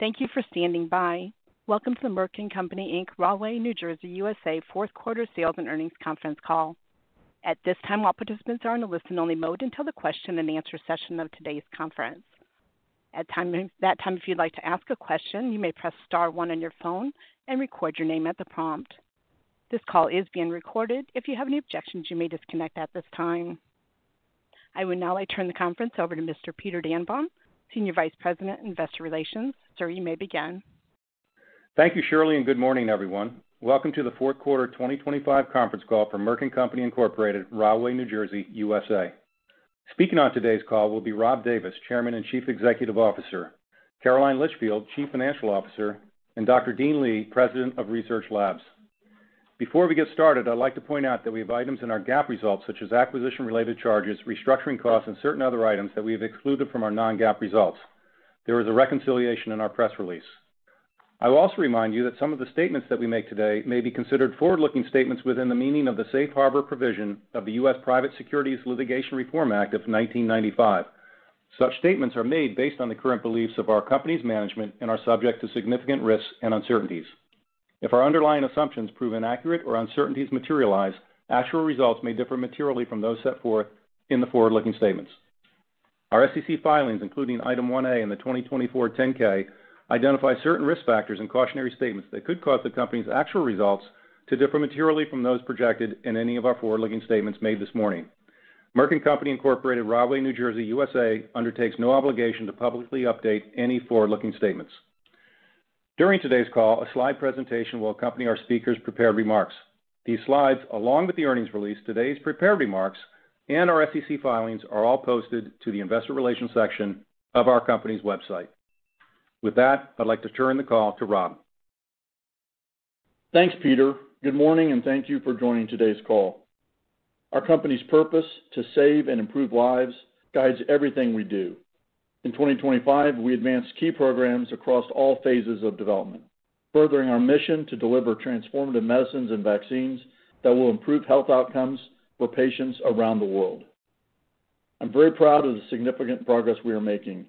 Thank you for standing by. Welcome to the Merck & Co., Inc., Rahway, New Jersey, USA, Q4 sales and earnings conference call. At this time, all participants are in a listen-only mode until the question-and-answer session of today's conference. At that time, if you'd like to ask a question, you may press star one on your phone and record your name at the prompt. This call is being recorded. If you have any objections, you may disconnect at this time. I would now like to turn the conference over to Mr. Peter Dannenbaum, Senior Vice President, Investor Relations. Sir, you may begin. Thank you, Shirley, and good morning, everyone. Welcome to the Q4 2025 conference call for Merck & Co., Inc., Rahway, New Jersey, USA. Speaking on today's call will be Rob Davis, Chairman and Chief Executive Officer, Caroline Litchfield, Chief Financial Officer, and Dr. Dean Li, President of Research Labs. Before we get started, I'd like to point out that we have items in our GAAP results, such as acquisition-related charges, restructuring costs, and certain other items that we have excluded from our non-GAAP results. There is a reconciliation in our press release. I will also remind you that some of the statements that we make today may be considered forward-looking statements within the meaning of the Safe Harbor provision of the U.S. Private Securities Litigation Reform Act of 1995. Such statements are made based on the current beliefs of our company's management and are subject to significant risks and uncertainties. If our underlying assumptions prove inaccurate or uncertainties materialize, actual results may differ materially from those set forth in the forward-looking statements. Our SEC filings, including Item 1A in the 2024 10-K, identify certain risk factors and cautionary statements that could cause the company's actual results to differ materially from those projected in any of our forward-looking statements made this morning. Merck & Company Incorporated, Rahway, New Jersey, USA, undertakes no obligation to publicly update any forward-looking statements. During today's call, a slide presentation will accompany our speakers' prepared remarks. These slides, along with the earnings release, today's prepared remarks, and our SEC filings, are all posted to the investor relations section of our company's website. With that, I'd like to turn the call to Rob. Thanks, Peter. Good morning, and thank you for joining today's call. Our company's purpose, to save and improve lives, guides everything we do. In 2025, we advanced key programs across all phases of development, furthering our mission to deliver transformative medicines and vaccines that will improve health outcomes for patients around the world. I'm very proud of the significant progress we are making.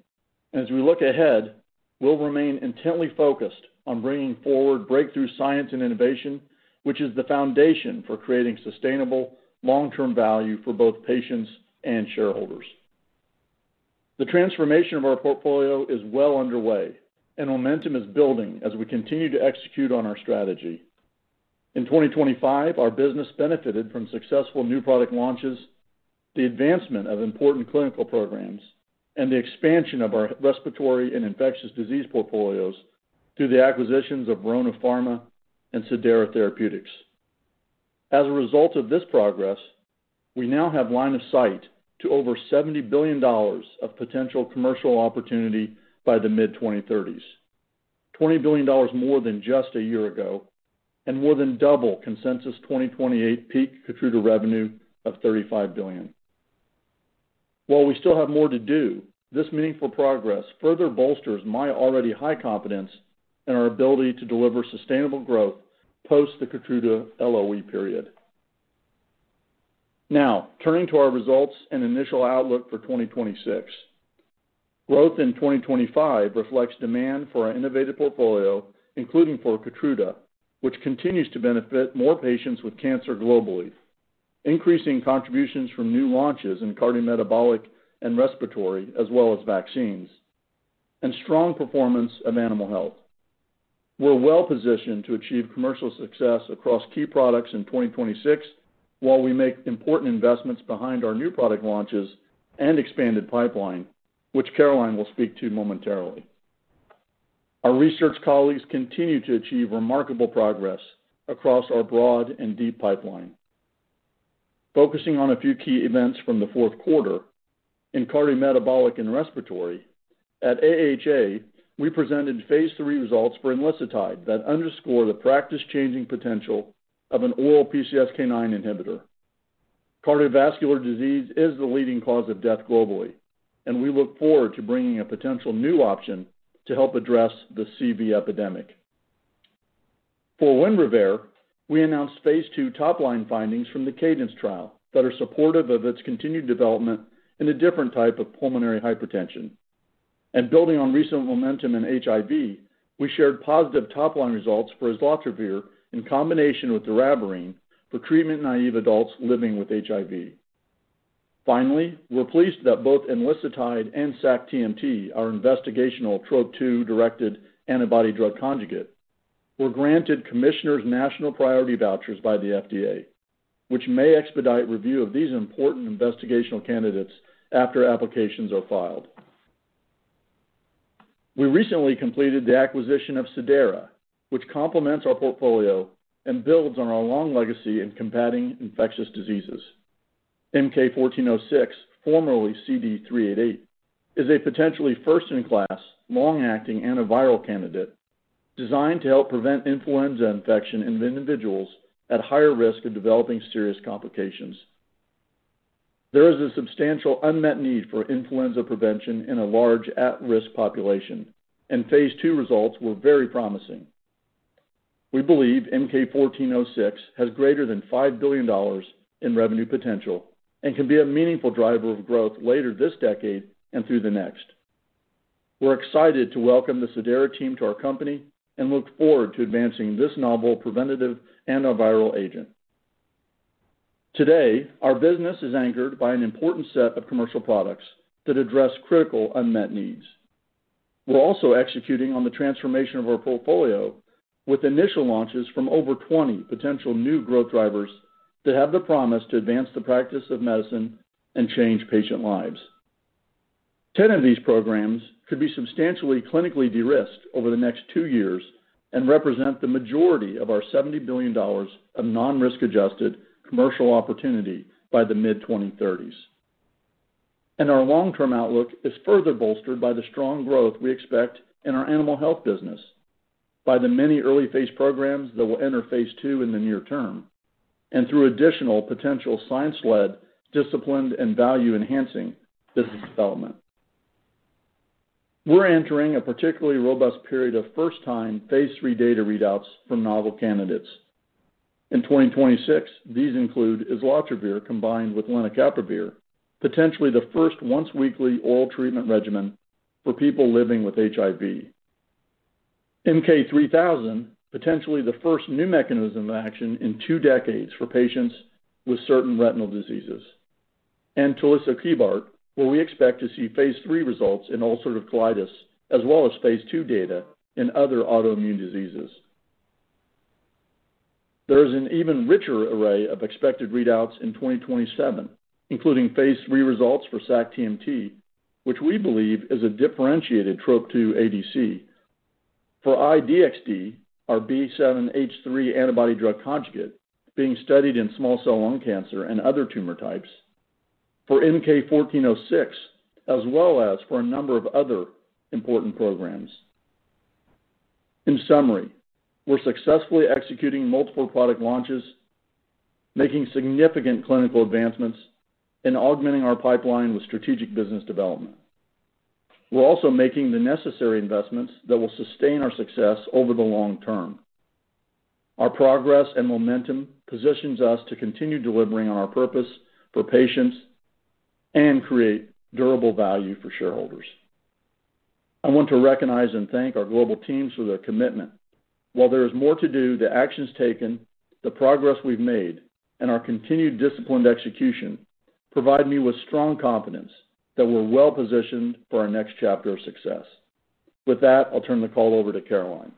As we look ahead, we'll remain intently focused on bringing forward breakthrough science and innovation, which is the foundation for creating sustainable long-term value for both patients and shareholders. The transformation of our portfolio is well underway, and momentum is building as we continue to execute on our strategy. In 2025, our business benefited from successful new product launches, the advancement of important clinical programs, and the expansion of our respiratory and infectious disease portfolios through the acquisitions of Verona Pharma and Cidara Therapeutics. As a result of this progress, we now have line of sight to over $70 billion of potential commercial opportunity by the mid-2030s, $20 billion more than just a year ago and more than double consensus 2028 peak Keytruda revenue of $35 billion. While we still have more to do, this meaningful progress further bolsters my already high confidence in our ability to deliver sustainable growth post the Keytruda LOE period. Now, turning to our results and initial outlook for 2026. Growth in 2025 reflects demand for our innovative portfolio, including for Keytruda, which continues to benefit more patients with cancer globally, increasing contributions from new launches in cardiometabolic and respiratory, as well as vaccines, and strong performance of animal health. We're well-positioned to achieve commercial success across key products in 2026, while we make important investments behind our new product launches and expanded pipeline, which Caroline will speak to momentarily. Our research colleagues continue to achieve remarkable progress across our broad and deep pipeline. Focusing on a few key events from the Q4, in cardiometabolic and respiratory, at AHA, we presented phase III results for Enlicitide that underscore the practice-changing potential of an oral PCSK9 inhibitor. Cardiovascular disease is the leading cause of death globally, and we look forward to bringing a potential new option to help address the CV epidemic. For Winrevair, we announced phase II top-line findings from the Cadence trial that are supportive of its continued development in a different type of pulmonary hypertension. Building on recent momentum in HIV, we shared positive top-line results for Islatravir in combination with Doravirine for treatment-naive adults living with HIV. Finally, we're pleased that both Enlicitide and SAC-TMT, our investigational Trop-2-directed antibody-drug conjugate, were granted Commissioner's National Priority Vouchers by the FDA, which may expedite review of these important investigational candidates after applications are filed. We recently completed the acquisition of Cidara, which complements our portfolio and builds on our long legacy in combating infectious diseases. MK-1406, formerly CD388, is a potentially first-in-class, long-acting antiviral candidate designed to help prevent influenza infection in individuals at higher risk of developing serious complications. There is a substantial unmet need for influenza prevention in a large at-risk population, and phase II results were very promising. We believe MK-1406 has greater than $5 billion in revenue potential and can be a meaningful driver of growth later this decade and through the next. We're excited to welcome the Cidara team to our company and look forward to advancing this novel preventative antiviral agent. Today, our business is anchored by an important set of commercial products that address critical unmet needs. We're also executing on the transformation of our portfolio, with initial launches from over 20 potential new growth drivers that have the promise to advance the practice of medicine and change patient lives. 10 of these programs could be substantially clinically de-risked over the next two years and represent the majority of our $70 billion of non-risk adjusted commercial opportunity by the mid-2030s. Our long-term outlook is further bolstered by the strong growth we expect in our animal health business, by the many early-phase programs that will enter phase II in the near term, and through additional potential science-led, disciplined and value-enhancing business development. We're entering a particularly robust period of first-time phase III data readouts from novel candidates. In 2026, these include Islatravir, combined with Lenacapavir, potentially the first once-weekly oral treatment regimen for people living with HIV. MK-3000, potentially the first new mechanism of action in 2 decades for patients with certain retinal diseases. And Tulisokibart, where we expect to see phase III results in ulcerative colitis, as well as phase II data in other autoimmune diseases. There is an even richer array of expected readouts in 2027, including phase III results for sac-TMT, which we believe is a differentiated Trop-2 ADC. For I-DXd, our B7-H3 antibody-drug conjugate being studied in small cell lung cancer and other tumor types, for MK-1406, as well as for a number of other important programs. In summary, we're successfully executing multiple product launches, making significant clinical advancements and augmenting our pipeline with strategic business development. We're also making the necessary investments that will sustain our success over the long term. Our progress and momentum positions us to continue delivering on our purpose for patients and create durable value for shareholders. I want to recognize and thank our global teams for their commitment. While there is more to do, the actions taken, the progress we've made, and our continued disciplined execution provide me with strong confidence that we're well-positioned for our next chapter of success. With that, I'll turn the call over to Caroline.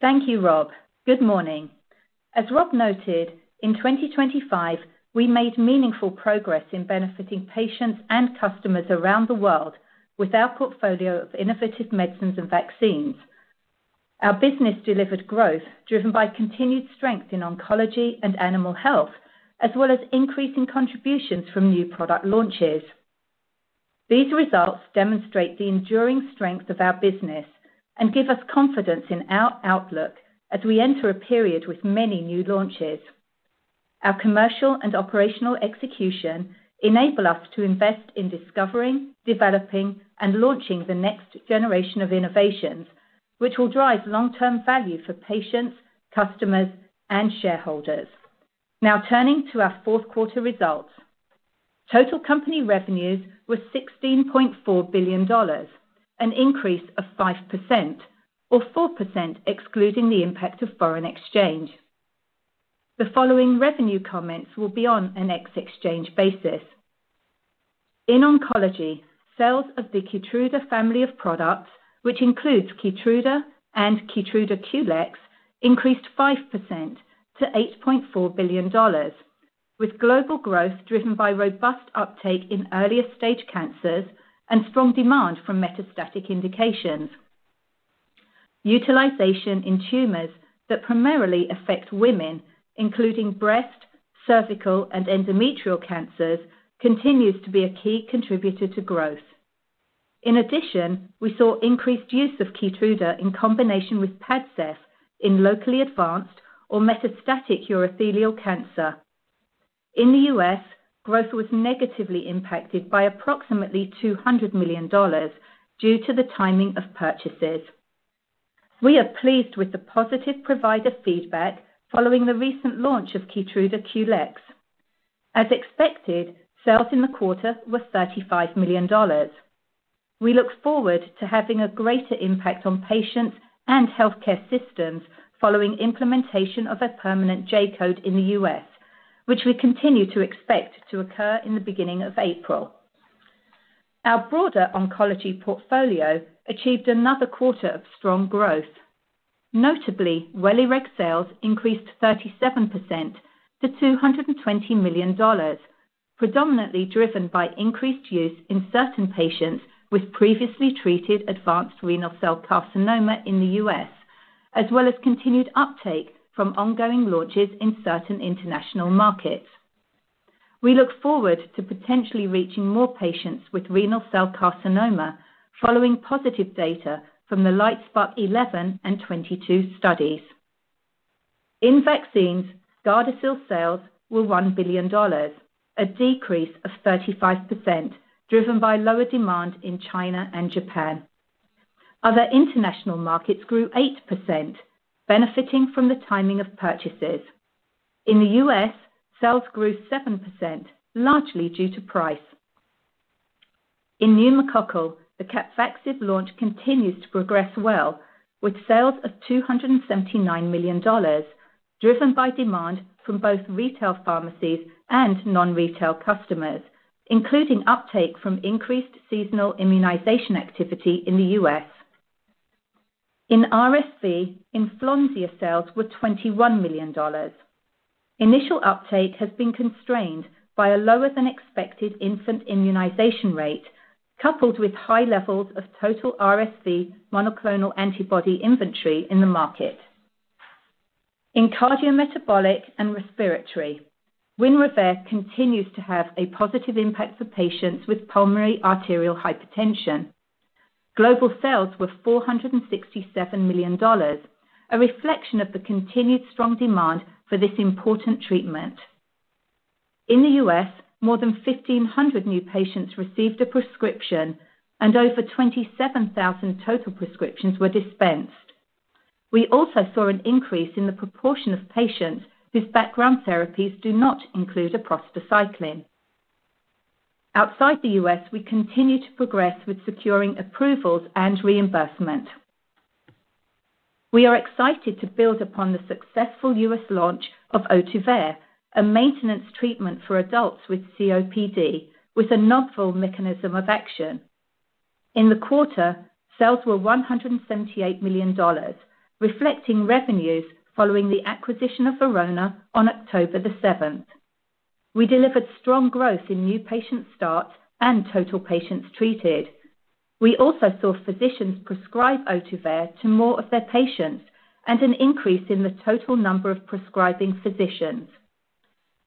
Thank you, Rob. Good morning. As Rob noted, in 2025, we made meaningful progress in benefiting patients and customers around the world with our portfolio of innovative medicines and vaccines. Our business delivered growth, driven by continued strength in oncology and animal health, as well as increasing contributions from new product launches. These results demonstrate the enduring strength of our business and give us confidence in our outlook as we enter a period with many new launches. Our commercial and operational execution enable us to invest in discovering, developing and launching the next generation of innovations, which will drive long-term value for patients, customers and shareholders. Now turning to our Q4 results. Total company revenues were $16.4 billion, an increase of 5%, or 4%, excluding the impact of foreign exchange. The following revenue comments will be on an ex-exchange basis. In oncology, sales of the Keytruda family of products, which includes Keytruda and Keytruda QLEX, increased 5% to $8.4 billion, with global growth driven by robust uptake in earlier stage cancers and strong demand from metastatic indications. Utilization in tumors that primarily affect women, including breast, cervical, and endometrial cancers, continues to be a key contributor to growth. In addition, we saw increased use of Keytruda in combination with Padcev in locally advanced or metastatic urothelial cancer. In the US, growth was negatively impacted by approximately $200 million due to the timing of purchases. We are pleased with the positive provider feedback following the recent launch of Keytruda QLEX. As expected, sales in the quarter were $35 million. We look forward to having a greater impact on patients and healthcare systems following implementation of a permanent J-code in the U.S., which we continue to expect to occur in the beginning of April. Our broader oncology portfolio achieved another quarter of strong growth. Notably, Welireg sales increased 37% to $220 million, predominantly driven by increased use in certain patients with previously treated advanced renal cell carcinoma in the U.S., as well as continued uptake from ongoing launches in certain international markets. We look forward to potentially reaching more patients with renal cell carcinoma following positive data from the LITESPARK-011 and LITESPARK-022 studies. In vaccines, Gardasil sales were $1 billion, a decrease of 35%, driven by lower demand in China and Japan. Other international markets grew 8%, benefiting from the timing of purchases. In the U.S., sales grew 7%, largely due to price. In pneumococcal, the Capvaxive launch continues to progress well, with sales of $279 million, driven by demand from both retail pharmacies and non-retail customers, including uptake from increased seasonal immunization activity in the U.S. In RSV, Enflonsia sales were $21 million. Initial uptake has been constrained by a lower than expected infant immunization rate, coupled with high levels of total RSV monoclonal antibody inventory in the market. In cardiometabolic and respiratory, Winrevair continues to have a positive impact for patients with pulmonary arterial hypertension. Global sales were $467 million, a reflection of the continued strong demand for this important treatment. In the U.S., more than 1,500 new patients received a prescription, and over 27,000 total prescriptions were dispensed. We also saw an increase in the proportion of patients whose background therapies do not include prostacyclin. Outside the U.S., we continue to progress with securing approvals and reimbursement. We are excited to build upon the successful U.S. launch of Ohtuvayre, a maintenance treatment for adults with COPD, with a novel mechanism of action. In the quarter, sales were $178 million, reflecting revenues following the acquisition of Verona on October the seventh. We delivered strong growth in new patient starts and total patients treated. We also saw physicians prescribe Ohtuvayre to more of their patients and an increase in the total number of prescribing physicians.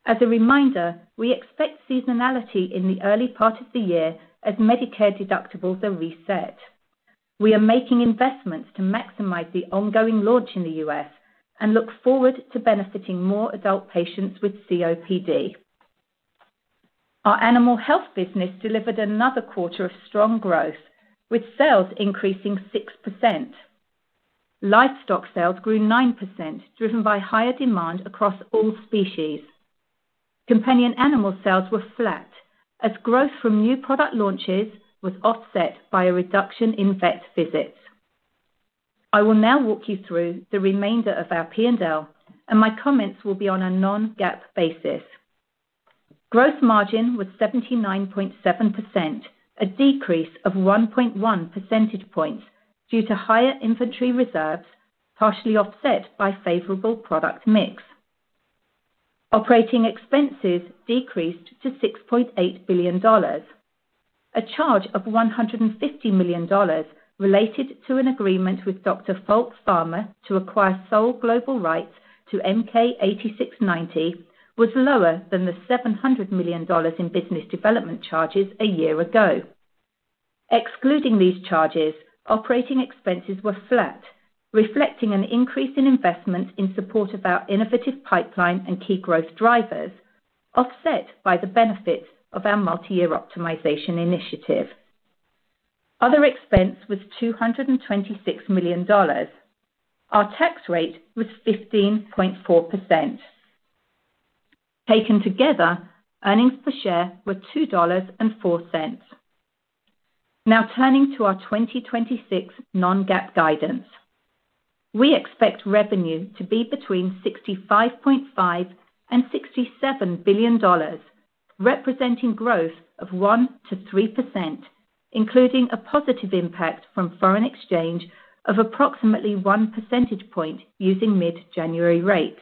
As a reminder, we expect seasonality in the early part of the year as Medicare deductibles are reset. We are making investments to maximize the ongoing launch in the U.S. and look forward to benefiting more adult patients with COPD. Our animal health business delivered another quarter of strong growth, with sales increasing 6%. Livestock sales grew 9%, driven by higher demand across all species. Companion animal sales were flat, as growth from new product launches was offset by a reduction in vet visits. I will now walk you through the remainder of our P&L, and my comments will be on a non-GAAP basis. Gross margin was 79.7%, a decrease of 1.1 percentage points due to higher inventory reserves, partially offset by favorable product mix. Operating expenses decreased to $6.8 billion. A charge of $150 million related to an agreement with Dr. Falk Pharma to acquire sole global rights to MK-8690 was lower than the $700 million in business development charges a year ago. Excluding these charges, operating expenses were flat, reflecting an increase in investment in support of our innovative pipeline and key growth drivers, offset by the benefits of our multi-year optimization initiative. Other expense was $226 million. Our tax rate was 15.4%. Taken together, earnings per share were $2.04. Now turning to our 2026 non-GAAP guidance. We expect revenue to be between $65.5 billion and $67 billion, representing growth of 1%-3%, including a positive impact from foreign exchange of approximately one percentage point using mid-January rates.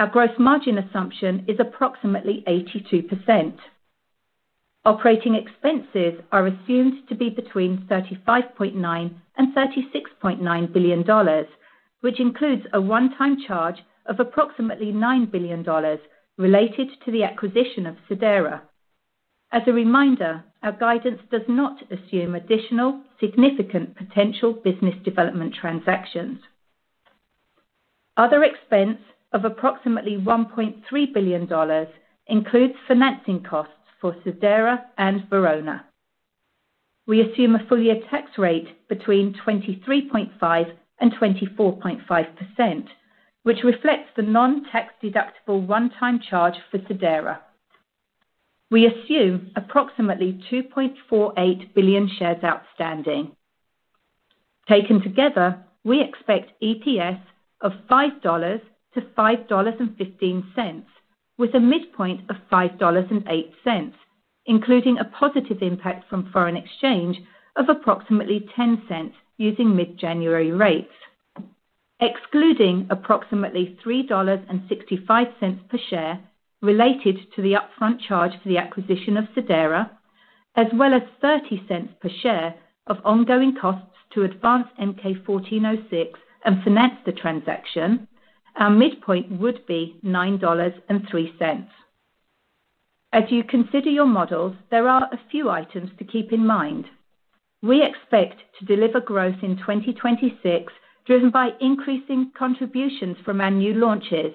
Our gross margin assumption is approximately 82%. Operating expenses are assumed to be between $35.9 billion and $36.9 billion, which includes a one-time charge of approximately $9 billion related to the acquisition of Cidara. As a reminder, our guidance does not assume additional significant potential business development transactions. Other expense of approximately $1.3 billion includes financing costs for Cidara and Verona. We assume a full-year tax rate between 23.5% and 24.5%, which reflects the non-tax-deductible one-time charge for Cidara. We assume approximately 2.48 billion shares outstanding. Taken together, we expect EPS of $5-$5.15, with a midpoint of $5.08, including a positive impact from foreign exchange of approximately $0.10 using mid-January rates. Excluding approximately $3.65 per share related to the upfront charge for the acquisition of Cidara, as well as $0.30 per share of ongoing costs to advance MK-1406 and finance the transaction, our midpoint would be $9.03. As you consider your models, there are a few items to keep in mind. We expect to deliver growth in 2026, driven by increasing contributions from our new launches,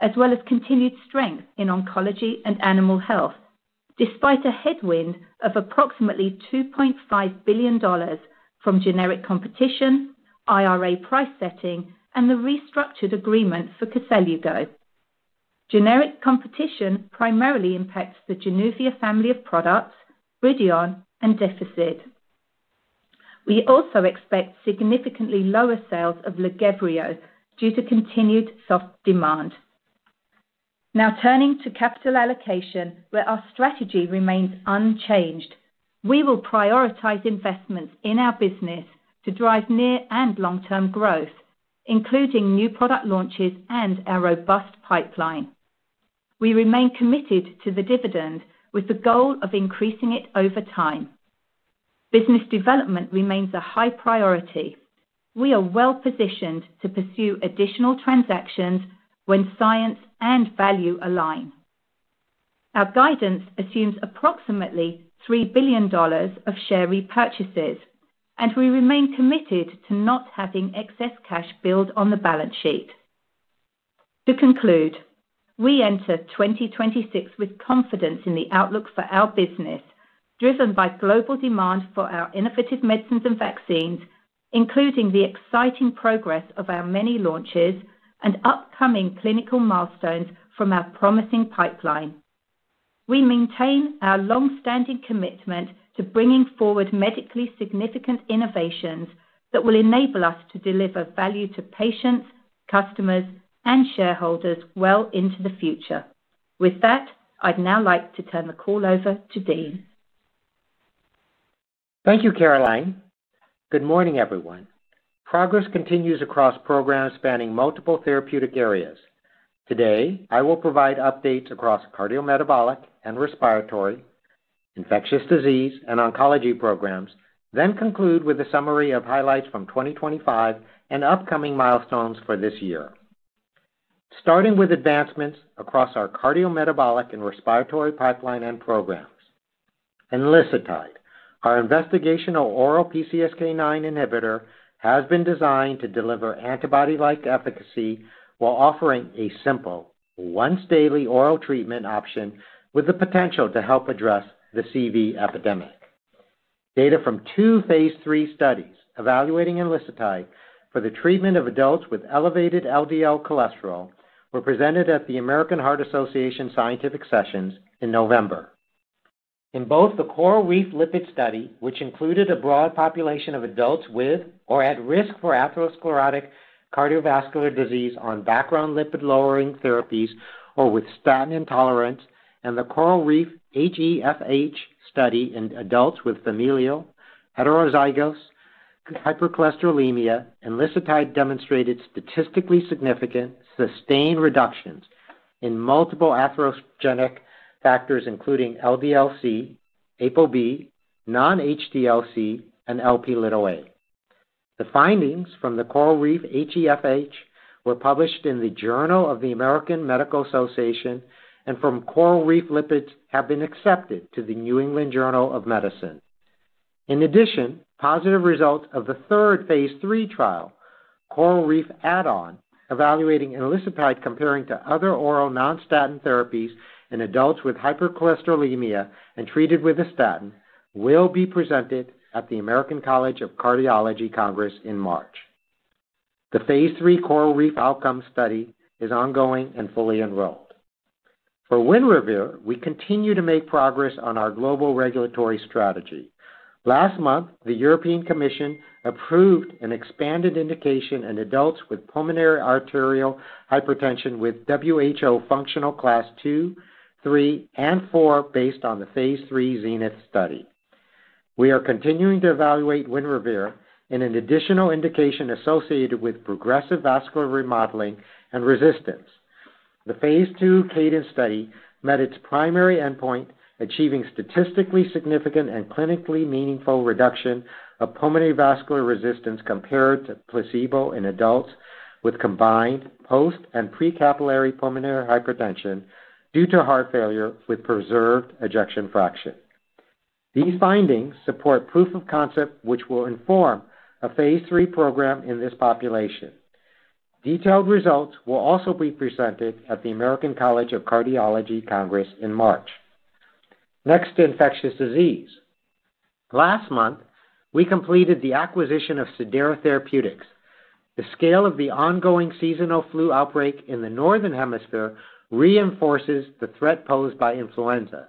as well as continued strength in oncology and animal health, despite a headwind of approximately $2.5 billion from generic competition, IRA price setting, and the restructured agreement for Koselugo. Generic competition primarily impacts the Januvia family of products, Bridion, and Dificid. We also expect significantly lower sales of Lagevrio due to continued soft demand. Now turning to capital allocation, where our strategy remains unchanged. We will prioritize investments in our business to drive near and long-term growth, including new product launches and our robust pipeline. We remain committed to the dividend, with the goal of increasing it over time. Business development remains a high priority. We are well-positioned to pursue additional transactions when science and value align. Our guidance assumes approximately $3 billion of share repurchases, and we remain committed to not having excess cash build on the balance sheet. To conclude, we enter 2026 with confidence in the outlook for our business, driven by global demand for our innovative medicines and vaccines, including the exciting progress of our many launches and upcoming clinical milestones from our promising pipeline. We maintain our long-standing commitment to bringing forward medically significant innovations that will enable us to deliver value to patients, customers, and shareholders well into the future. With that, I'd now like to turn the call over to Dean. Thank you, Caroline. Good morning, everyone. Progress continues across programs spanning multiple therapeutic areas. Today, I will provide updates across cardiometabolic and respiratory, infectious disease, and oncology programs, then conclude with a summary of highlights from 2025 and upcoming milestones for this year. Starting with advancements across our cardiometabolic and respiratory pipeline and programs. Enlicitide, our investigational oral PCSK9 inhibitor, has been designed to deliver antibody-like efficacy while offering a simple, once-daily oral treatment option with the potential to help address the CV epidemic. Data from two phase III studies evaluating Enlicitide for the treatment of adults with elevated LDL cholesterol were presented at the American Heart Association Scientific Sessions in November. In both the CORALreef Lipids study, which included a broad population of adults with or at risk for atherosclerotic cardiovascular disease on background lipid-lowering therapies or with statin intolerance, and the CORALreef HeFH study in adults with familial heterozygous hypercholesterolemia, Enlicitide demonstrated statistically significant, sustained reductions in multiple atherogenic factors, including LDL-C, ApoB, non-HDL-C, and Lp(a). The findings from the CORALreef HeFH were published in the Journal of the American Medical Association, and from CORALreef Lipids have been accepted to the New England Journal of Medicine. In addition, positive results of the third phase III trial, CORALreef Add-on, evaluating Enlicitide comparing to other oral non-statin therapies in adults with hypercholesterolemia and treated with a statin, will be presented at the American College of Cardiology Congress in March. The phase III CORALreef Outcomes study is ongoing and fully enrolled. For Winrevair, we continue to make progress on our global regulatory strategy. Last month, the European Commission approved an expanded indication in adults with pulmonary arterial hypertension with WHO functional class two, three, and four, based on the phase III Zenith study. We are continuing to evaluate Winrevair in an additional indication associated with progressive vascular remodeling and resistance. The phase II Cadence study met its primary endpoint, achieving statistically significant and clinically meaningful reduction of pulmonary vascular resistance compared to placebo in adults with combined post and pre-capillary pulmonary hypertension due to heart failure with preserved ejection fraction. These findings support proof of concept, which will inform a phase III program in this population. Detailed results will also be presented at the American College of Cardiology Congress in March. Next, infectious disease. Last month, we completed the acquisition of Cidara Therapeutics. The scale of the ongoing seasonal flu outbreak in the Northern Hemisphere reinforces the threat posed by influenza,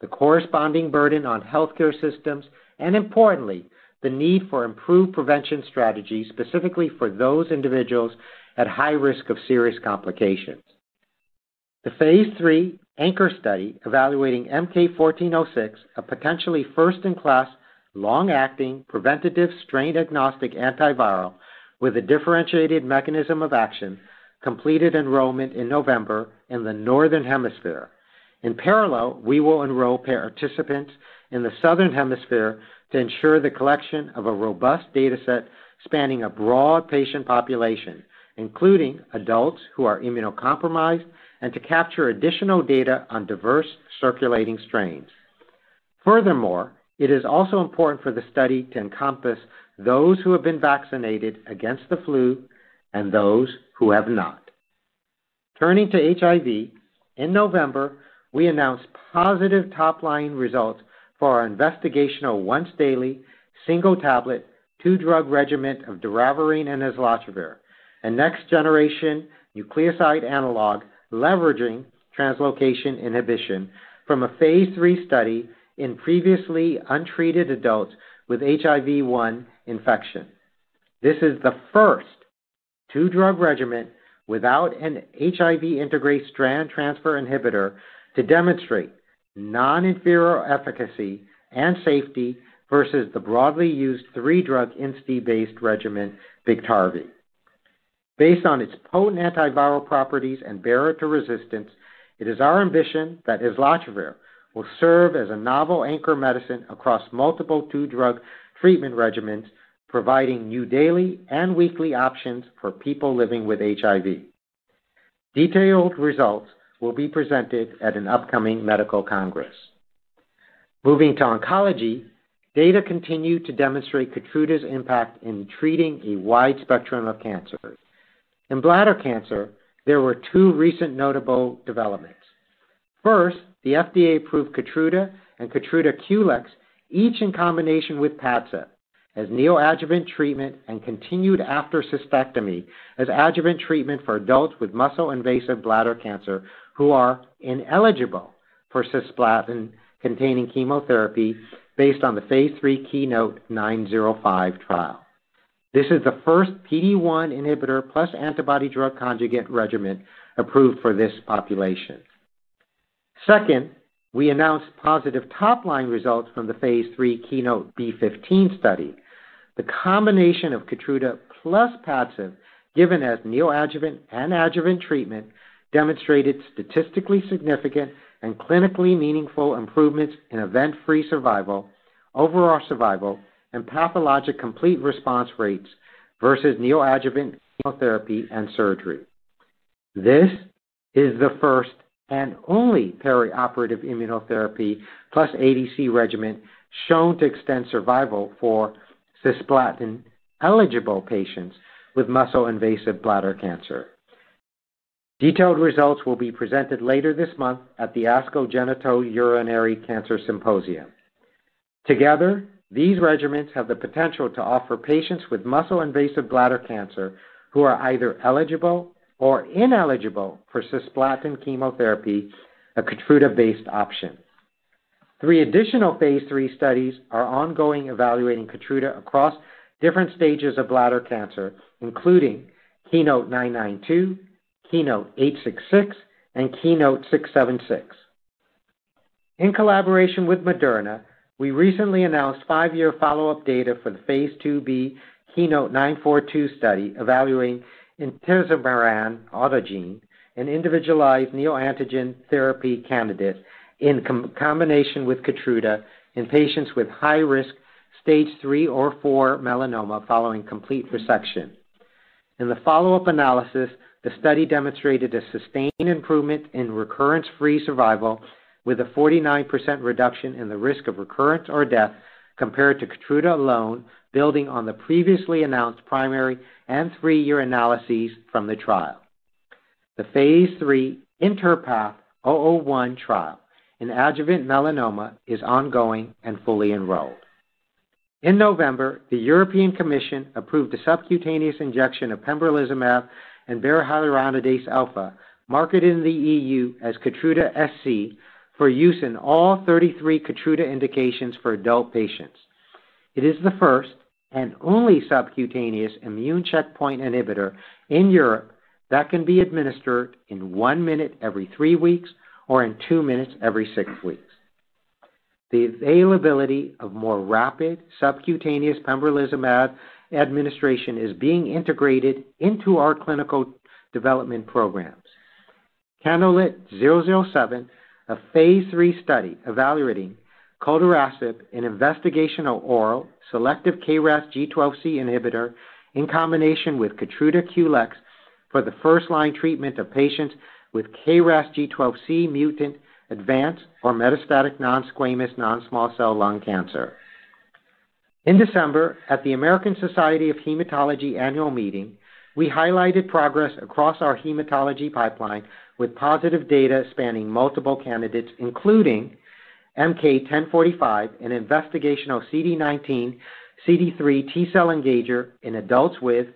the corresponding burden on healthcare systems, and importantly, the need for improved prevention strategies, specifically for those individuals at high risk of serious complications. The phase III Anchor study, evaluating MK-1406, a potentially first-in-class, long-acting, preventative, strain-agnostic antiviral with a differentiated mechanism of action, completed enrollment in November in the Northern Hemisphere. In parallel, we will enroll participants in the Southern Hemisphere to ensure the collection of a robust data set spanning a broad patient population, including adults who are immunocompromised, and to capture additional data on diverse circulating strains.... Furthermore, it is also important for the study to encompass those who have been vaccinated against the flu and those who have not. Turning to HIV, in November, we announced positive top-line results for our investigational once-daily, single-tablet, 2-drug regimen of doravirine and islatravir, a next-generation nucleoside analog, leveraging translocation inhibition from a phase III study in previously untreated adults with HIV-1 infection. This is the first 2-drug regimen without an HIV integrase strand transfer inhibitor to demonstrate noninferior efficacy and safety versus the broadly used 3-drug INSTI-based regimen, Biktarvy. Based on its potent antiviral properties and barrier to resistance, it is our ambition that islatravir will serve as a novel anchor medicine across multiple 2-drug treatment regimens, providing new daily and weekly options for people living with HIV. Detailed results will be presented at an upcoming medical congress. Moving to oncology, data continue to demonstrate Keytruda's impact in treating a wide spectrum of cancers. In bladder cancer, there were two recent notable developments. First, the FDA approved Keytruda and Keytruda QLEX, each in combination with Padcev, as neoadjuvant treatment and continued after cystectomy, as adjuvant treatment for adults with muscle-invasive bladder cancer who are ineligible for cisplatin-containing chemotherapy based on the phase III KEYNOTE-905 trial. This is the first PD-1 inhibitor plus antibody-drug conjugate regimen approved for this population. Second, we announced positive top-line results from the phase III KEYNOTE-B15 study. The combination of Keytruda plus Padcev, given as neoadjuvant and adjuvant treatment, demonstrated statistically significant and clinically meaningful improvements in event-free survival, overall survival, and pathologic complete response rates versus neoadjuvant chemotherapy and surgery. This is the first and only perioperative immunotherapy plus ADC regimen shown to extend survival for cisplatin-eligible patients with muscle-invasive bladder cancer. Detailed results will be presented later this month at the ASCO Genitourinary Cancers Symposium. Together, these regimens have the potential to offer patients with muscle-invasive bladder cancer who are either eligible or ineligible for cisplatin chemotherapy, a Keytruda-based option. Three additional phase III studies are ongoing, evaluating Keytruda across different stages of bladder cancer, including KEYNOTE-992, KEYNOTE-866, and KEYNOTE-676. In collaboration with Moderna, we recently announced 5-year follow-up data for the phase II-B KEYNOTE-942 study, evaluating intezimeran autogene, an individualized neoantigen therapy candidate, in combination with Keytruda in patients with high-risk stage 3 or 4 melanoma following complete resection. In the follow-up analysis, the study demonstrated a sustained improvement in recurrence-free survival, with a 49% reduction in the risk of recurrence or death compared to Keytruda alone, building on the previously announced primary and 3-year analyses from the trial. The phase III INTerpath-001 trial in adjuvant melanoma is ongoing and fully enrolled. In November, the European Commission approved the subcutaneous injection of pembrolizumab and berahyaluronidase alfa, marketed in the EU as Keytruda SC, for use in all 33 Keytruda indications for adult patients. It is the first and only subcutaneous immune checkpoint inhibitor in Europe that can be administered in 1 minute every 3 weeks or in 2 minutes every 6 weeks. The availability of more rapid subcutaneous pembrolizumab administration is being integrated into our clinical development programs. Candolit 007, a phase III study evaluating Calderasib, an investigational oral selective KRAS G12C inhibitor, in combination with Keytruda QLEX for the first-line treatment of patients with KRAS G12C mutant advanced or metastatic non-squamous, non-small cell lung cancer. In December, at the American Society of Hematology annual meeting, we highlighted progress across our hematology pipeline with positive data spanning multiple candidates, including MK-1045, an investigational CD19-CD3 T-cell engager in adults with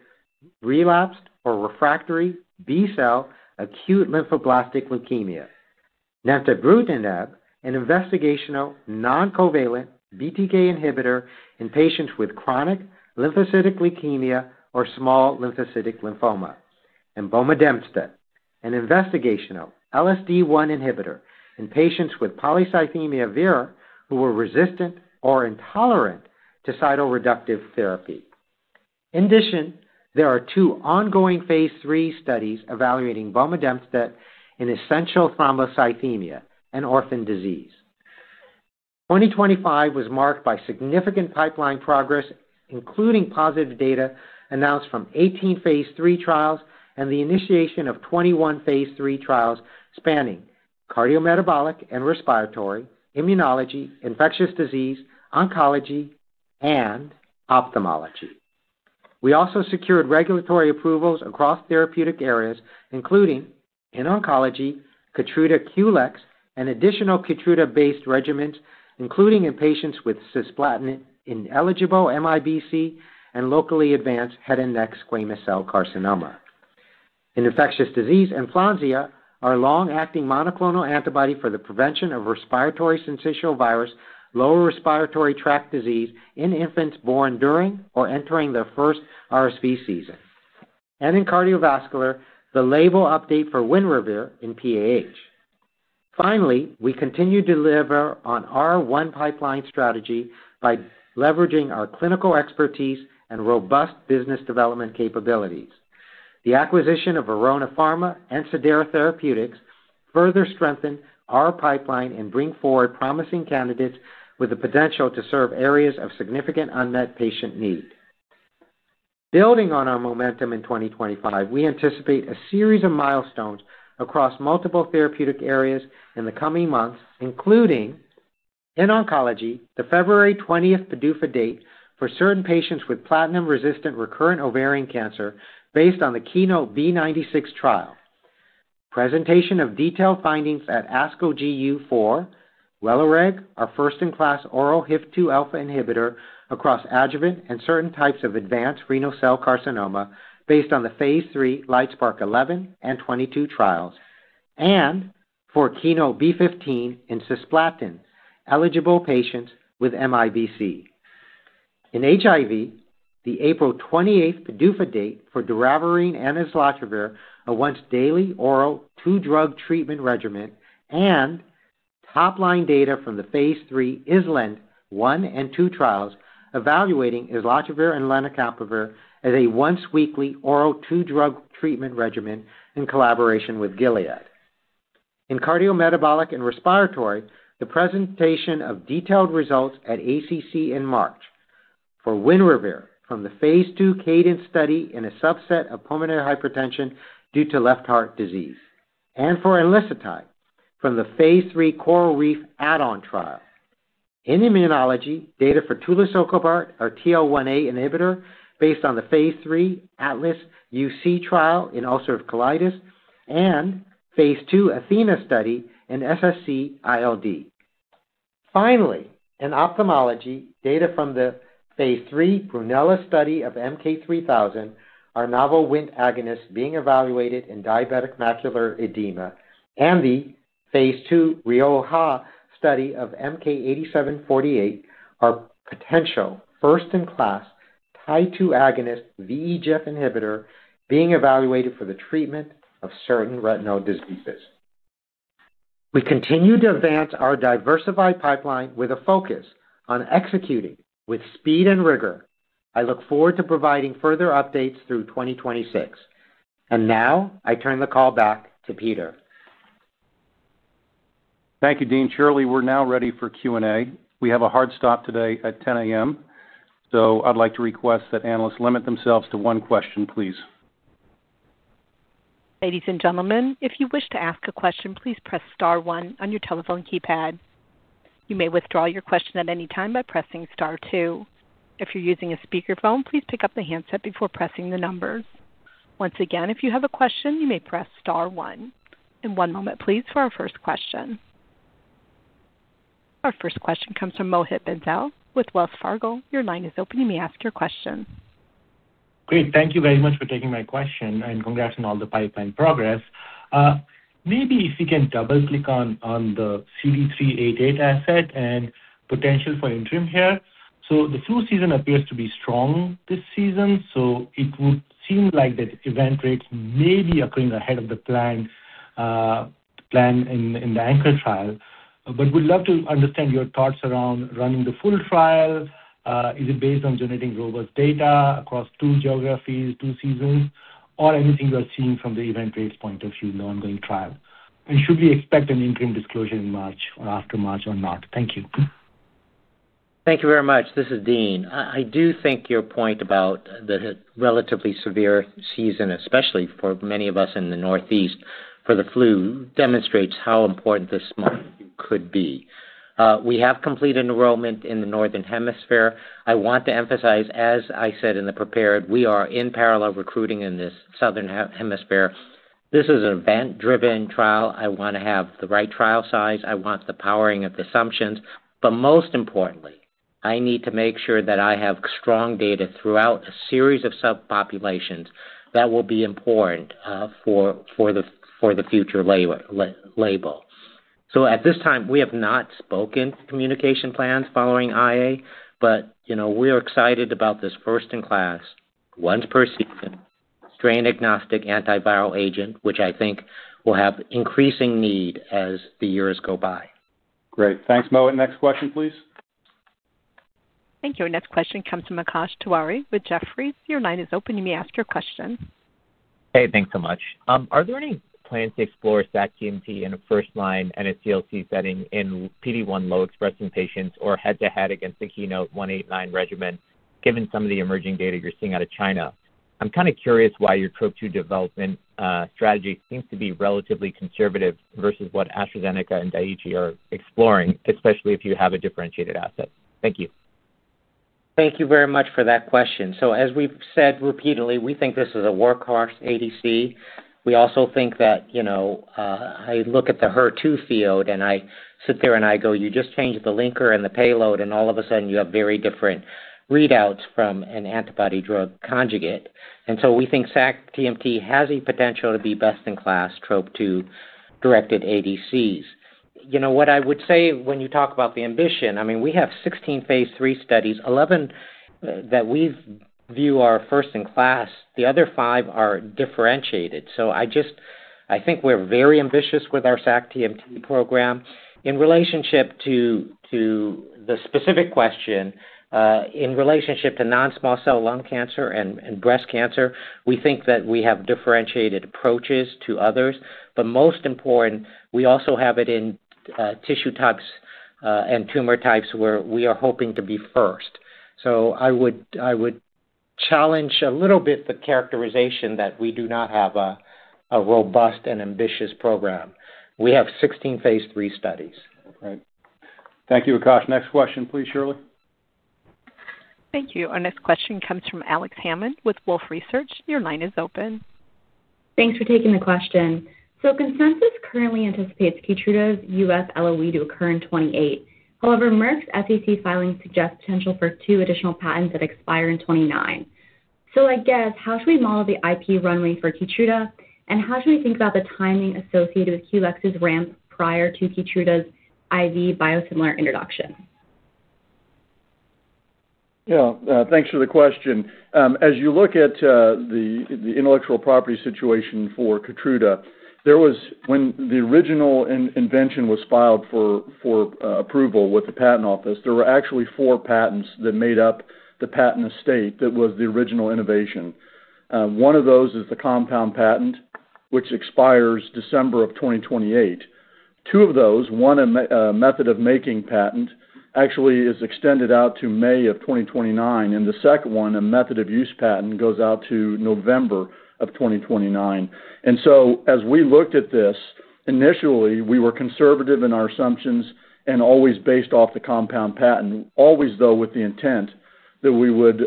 relapsed or refractory B-cell acute lymphoblastic leukemia. Nemtabrutinib, an investigational non-covalent BTK inhibitor in patients with chronic lymphocytic leukemia or small lymphocytic lymphoma. And Bomedemstat, an investigational LSD1 inhibitor in patients with polycythemia vera who were resistant or intolerant to cytoreductive therapy. In addition, there are 2 ongoing phase III studies evaluating Bomedemstat in essential thrombocythemia, an orphan disease. 2025 was marked by significant pipeline progress, including positive data announced from 18 phase III trials and the initiation of 21 phase III trials spanning cardiometabolic and respiratory, immunology, infectious disease, oncology, and ophthalmology. We also secured regulatory approvals across therapeutic areas, including in oncology, Keytruda QLEX, and additional Keytruda-based regimens, including in patients with cisplatin-ineligible MIBC, and locally advanced head and neck squamous cell carcinoma. In infectious disease, Enflonsia, our long-acting monoclonal antibody for the prevention of respiratory syncytial virus lower respiratory tract disease in infants born during or entering their first RSV season, and in cardiovascular, the label update for Winrevair in PAH. Finally, we continue to deliver on our one pipeline strategy by leveraging our clinical expertise and robust business development capabilities. The acquisition of Verona Pharma and Cidara Therapeutics further strengthen our pipeline and bring forward promising candidates with the potential to serve areas of significant unmet patient need. Building on our momentum in 2025, we anticipate a series of milestones across multiple therapeutic areas in the coming months, including in oncology, the February 20 PDUFA date for certain patients with platinum-resistant recurrent ovarian cancer based on the KEYNOTE-096 trial. Presentation of detailed findings at ASCO GU 2024, Welireg, our first-in-class oral HIF-2 alpha inhibitor across adjuvant and certain types of advanced renal cell carcinoma, based on the phase III LITESPARK-011 and LITESPARK-022 trials, and for KEYNOTE-B15 in cisplatin-eligible patients with MIBC. In HIV, the April 28 PDUFA date for doravirine and islatravir, a once-daily oral two-drug treatment regimen, and top-line data from the phase III ISLAND-1 and ISLAND-2 trials, evaluating islatravir and lenacapavir as a once-weekly oral two-drug treatment regimen in collaboration with Gilead. In cardiometabolic and respiratory, the presentation of detailed results at ACC in March. For Winrevair, from the phase II Cadence study in a subset of pulmonary hypertension due to left heart disease, and for Enlicitide, from the phase III CORALreef add-on trial. In immunology, data for Tulisokibart, our TL1A inhibitor, based on the phase III ATLAS-UC trial in ulcerative colitis and phase II Athena study in SSc-ILD. Finally, in ophthalmology, data from the phase III Brunello study of MK-3000, our novel WNT agonist being evaluated in diabetic macular edema, and the phase II Rioja study of MK-8748, our potential first-in-class Tie-2 agonist VEGF inhibitor being evaluated for the treatment of certain retinal diseases. We continue to advance our diversified pipeline with a focus on executing with speed and rigor. I look forward to providing further updates through 2026. And now, I turn the call back to Peter. Thank you, Dean. Shirley, we're now ready for Q&A. We have a hard stop today at 10:00 A.M., so I'd like to request that analysts limit themselves to one question, please. Ladies and gentlemen, if you wish to ask a question, please press star one on your telephone keypad. You may withdraw your question at any time by pressing star two. If you're using a speakerphone, please pick up the handset before pressing the numbers. Once again, if you have a question, you may press star one. One moment please, for our first question. Our first question comes from Mohit Bansal with Wells Fargo. Your line is open, you may ask your question. Great, thank you very much for taking my question, and congrats on all the pipeline progress. Maybe if you can double-click on the CD388 asset and potential for interim here. So the flu season appears to be strong this season, so it would seem like that event rates may be occurring ahead of the plan, plan in the ANCHOR trial. But would love to understand your thoughts around running the full trial. Is it based on generating robust data across two geographies, two seasons, or anything you are seeing from the event rates point of view in the ongoing trial? And should we expect an interim disclosure in March or after March or not? Thank you. Thank you very much. This is Dean. I do think your point about the relatively severe season, especially for many of us in the Northeast, for the flu, demonstrates how important this model could be. We have completed enrollment in the Northern Hemisphere. I want to emphasize, as I said in the prepared, we are in parallel recruiting in the Southern Hemisphere. This is an event-driven trial. I want to have the right trial size. I want the powering of the assumptions. But most importantly, I need to make sure that I have strong data throughout a series of subpopulations that will be important for the future label. At this time, we have not spoken to communication plans following IA, but, you know, we are excited about this first-in-class, once-per-season, strain-agnostic antiviral agent, which I think will have increasing need as the years go by. Great. Thanks, Mohit. Next question, please. Thank you. Our next question comes from Akash Tewari with Jefferies. Your line is open, you may ask your question.... Hey, thanks so much. Are there any plans to explore sac-TMT in a first line and a CLT setting in PD-1 low expressing patients or head-to-head against the KEYNOTE-189 regimen, given some of the emerging data you're seeing out of China? I'm kind of curious why your Trop-2 development strategy seems to be relatively conservative versus what AstraZeneca and Daiichi are exploring, especially if you have a differentiated asset. Thank you. Thank you very much for that question. So as we've said repeatedly, we think this is a workhorse ADC. We also think that, you know, I look at the HER2 field, and I sit there, and I go, "You just changed the linker and the payload, and all of a sudden, you have very different readouts from an antibody drug conjugate." And so we think sac-TMT has a potential to be best-in-class Trop-2-directed ADCs. You know, what I would say when you talk about the ambition, I mean, we have 16 phase III studies, 11 that we view are first in class, the other 5 are differentiated. So I just—I think we're very ambitious with our sac-TMT program. In relationship to, to the specific question, in relationship to non-small cell lung cancer and, and breast cancer, we think that we have differentiated approaches to others. But most important, we also have it in tissue types and tumor types where we are hoping to be first. So I would challenge a little bit the characterization that we do not have a robust and ambitious program. We have 16 phase III studies. All right. Thank you, Akash. Next question, please, Shirley. Thank you. Our next question comes from Alex Hammond with Wolfe Research. Your line is open. Thanks for taking the question. So consensus currently anticipates Keytruda's U.S. LOE to occur in 2028. However, Merck's SEC filing suggests potential for two additional patents that expire in 2029. So I guess, how should we model the IP runway for Keytruda, and how should we think about the timing associated with QLEX's ramp prior to Keytruda's IV biosimilar introduction? Yeah, thanks for the question. As you look at the intellectual property situation for KEYTRUDA, there was... When the original invention was filed for approval with the patent office, there were actually four patents that made up the patent estate that was the original innovation. One of those is the compound patent, which expires December 2028. Two of those, one, a method of making patent, actually is extended out to May 2029, and the second one, a method of use patent, goes out to November 2029. And so, as we looked at this, initially, we were conservative in our assumptions and always based off the compound patent, always, though, with the intent that we would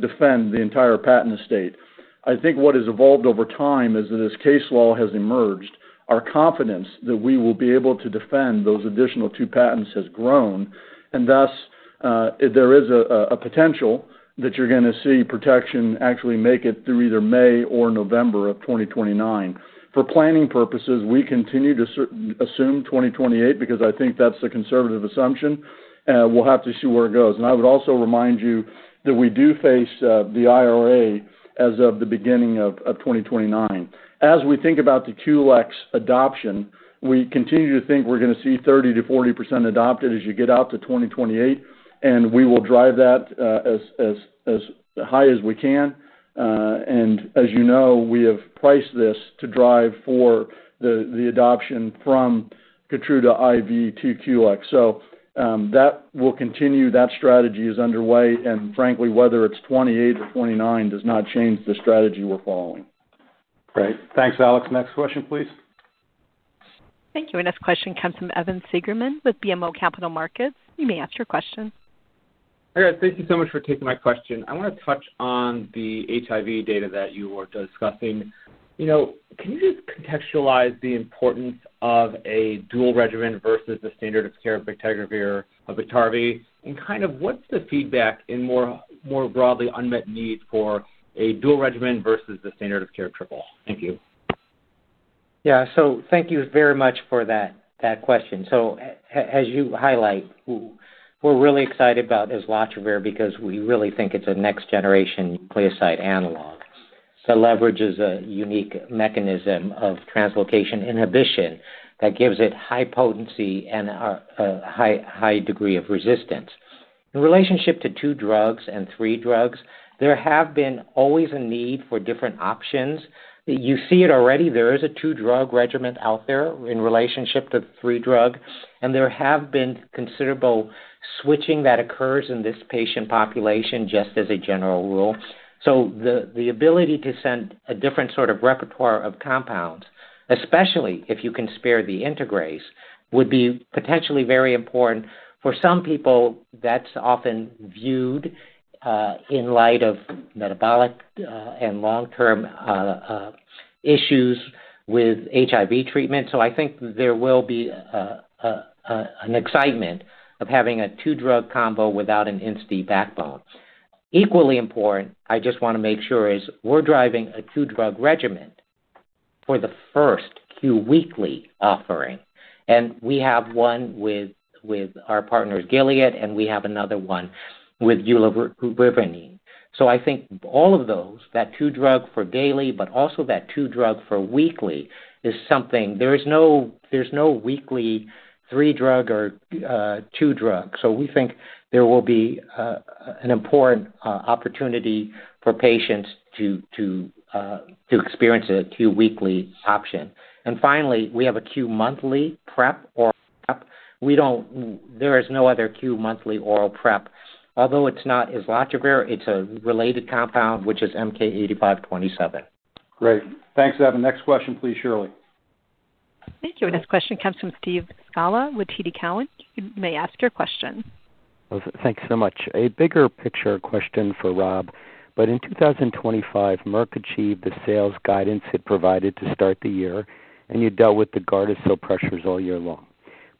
defend the entire patent estate. I think what has evolved over time is that as case law has emerged, our confidence that we will be able to defend those additional two patents has grown, and thus, there is a potential that you're gonna see protection actually make it through either May or November of 2029. For planning purposes, we continue to assume 2028 because I think that's the conservative assumption, we'll have to see where it goes. And I would also remind you that we do face the IRA as of the beginning of 2029. As we think about the QLEX adoption, we continue to think we're gonna see 30%-40% adopted as you get out to 2028, and we will drive that as high as we can. As you know, we have priced this to drive for the adoption from Keytruda IV to QLEX. That will continue. That strategy is underway, and frankly, whether it's 2028 or 2029 does not change the strategy we're following. Great. Thanks, Alex. Next question, please. Thank you. Our next question comes from Evan Seigerman with BMO Capital Markets. You may ask your question. Hi, guys. Thank you so much for taking my question. I want to touch on the HIV data that you were discussing. You know, can you just contextualize the importance of a dual regimen versus the standard of care bictegravir of Biktarvy, and kind of what's the feedback in more broadly unmet need for a dual regimen versus the standard of care triple? Thank you. Yeah. So thank you very much for that, that question. So as you highlight, we're really excited about Islatravir because we really think it's a next-generation nucleoside analog. So leverage is a unique mechanism of translocation inhibition that gives it high potency and a high degree of resistance. In relationship to two drugs and three drugs, there have been always a need for different options. You see it already, there is a two-drug regimen out there in relationship to three drug, and there have been considerable switching that occurs in this patient population, just as a general rule. So the ability to send a different sort of repertoire of compounds, especially if you can spare the integrase, would be potentially very important. For some people, that's often viewed in light of metabolic and long-term issues with HIV treatment. So I think there will be an excitement of having a two-drug combo without an INSTI backbone. Equally important, I just wanna make sure, is we're driving a two-drug regimen for the first Q-weekly offering, and we have one with our partners, Gilead, and we have another one with Islatravir lenacapavir. So I think all of those, that two-drug for daily, but also that two-drug for weekly, is something. There is no, there's no weekly three-drug or two-drug. So we think there will be an important opportunity for patients to experience a two-weekly option. And finally, we have a Q monthly PrEP oral PrEP. We don't. There is no other Q monthly oral PrEP. Although it's not Islatravir, it's a related compound, which is MK-8527. Great. Thanks, Evan. Next question, please, Shirley. Thank you. Our next question comes from Steve Scala with TD Cowen. You may ask your question. Thanks so much. A bigger picture question for Rob. In 2025, Merck achieved the sales guidance it provided to start the year, and you dealt with the Gardasil pressures all year long.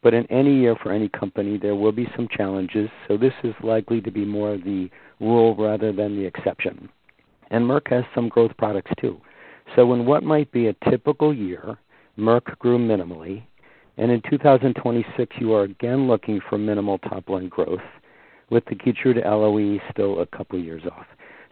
In any year for any company, there will be some challenges, so this is likely to be more the rule rather than the exception. Merck has some growth products, too. In what might be a typical year, Merck grew minimally, and in 2026, you are again looking for minimal top line growth, with the Keytruda LOE still a couple of years off.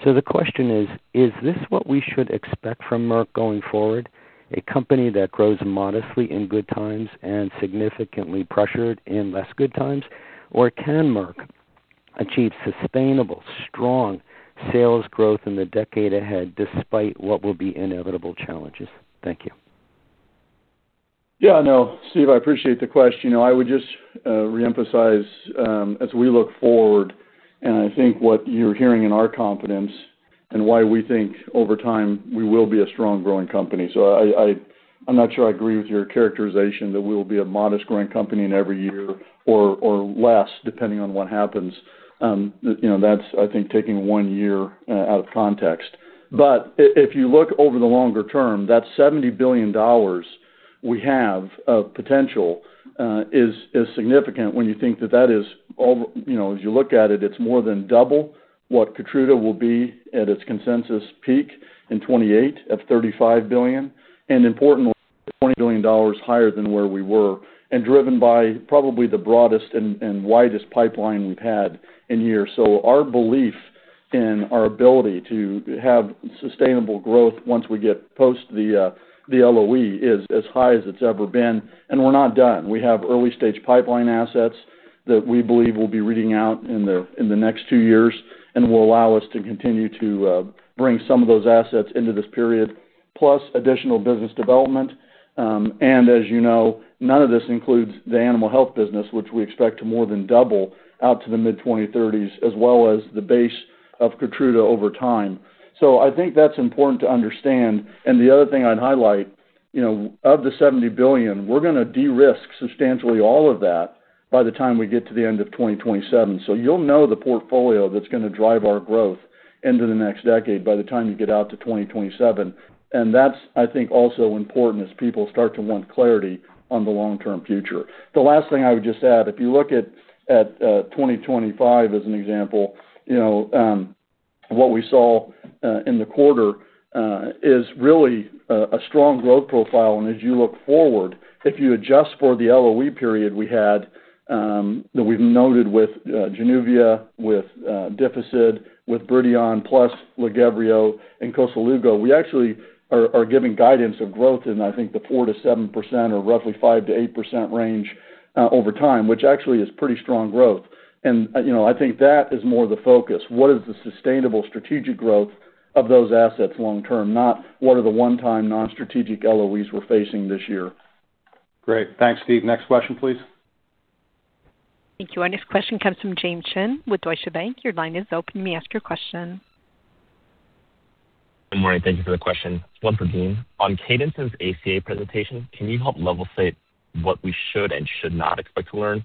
The question is: Is this what we should expect from Merck going forward, a company that grows modestly in good times and significantly pressured in less good times? Or can Merck achieve sustainable, strong sales growth in the decade ahead, despite what will be inevitable challenges? Thank you. Yeah, I know, Steve, I appreciate the question. You know, I would just reemphasize as we look forward, and I think what you're hearing in our confidence and why we think over time, we will be a strong growing company. So I, I, I'm not sure I agree with your characterization that we will be a modest growing company in every year or, or less, depending on what happens. You know, that's, I think, taking one year out of context. But if you look over the longer term, that $70 billion we have of potential is, is significant when you think that that is all... You know, as you look at it, it's more than double what Keytruda will be at its consensus peak in 2028, at $35 billion, and importantly, $20 billion higher than where we were, and driven by probably the broadest and widest pipeline we've had in years. So our belief in our ability to have sustainable growth once we get post the LOE is as high as it's ever been, and we're not done. We have early-stage pipeline assets that we believe will be reading out in the next 2 years and will allow us to continue to bring some of those assets into this period, plus additional business development. And as you know, none of this includes the animal health business, which we expect to more than double out to the mid-2030s, as well as the base of Keytruda over time. So I think that's important to understand. And the other thing I'd highlight, you know, of the $70 billion, we're gonna de-risk substantially all of that by the time we get to the end of 2027. So you'll know the portfolio that's gonna drive our growth into the next decade by the time you get out to 2027. And that's, I think, also important as people start to want clarity on the long-term future. The last thing I would just add, if you look at 2025 as an example, you know, what we saw in the quarter is really a strong growth profile. As you look forward, if you adjust for the LOE period we had that we've noted with Januvia, with Dificid, with Bridion, plus Lagevrio and Koselugo, we actually are giving guidance of growth in, I think, the 4%-7% or roughly 5%-8% range over time, which actually is pretty strong growth. And, you know, I think that is more the focus. What is the sustainable strategic growth of those assets long term? Not what are the one-time non-strategic LOEs we're facing this year. Great. Thanks, Steve. Next question, please. Thank you. Our next question comes from James Shin with Deutsche Bank. Your line is open. You may ask your question. Good morning. Thank you for the question. One for Dean. On Cadence's ACA presentation, can you help level-set what we should and should not expect to learn?